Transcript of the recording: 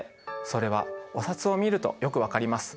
それはお札を見るとよく分かります。